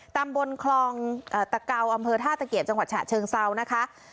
ตำบลคลองตะเกาอำเภอท่าตะเกียบจังหวัดฉะเชิงเซานะคะ